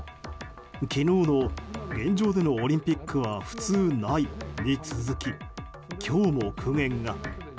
昨日の現状でのオリンピックは普通ないに続き今日も苦言が。